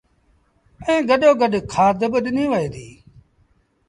ائيٚݩ گڏو گڏ کآڌ با ڏنيٚ وهي ديٚ